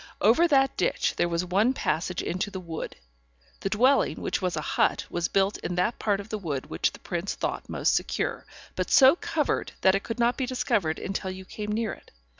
Over that ditch there was one passage into the wood; the dwelling, which was a hut, was built in that part of the wood which the prince thought most secure, but so covered that it could not be discovered until you came near it.